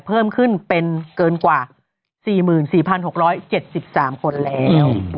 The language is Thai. เพิ่มขึ้นเป็นเกินกว่า๔๔๖๗๓คนแล้ว